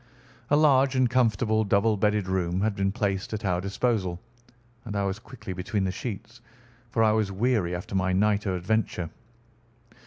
A large and comfortable double bedded room had been placed at our disposal, and I was quickly between the sheets, for I was weary after my night of adventure.